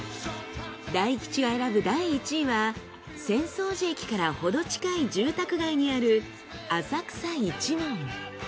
大吉が選ぶ第１位は浅草寺から程近い住宅街にある浅草一文。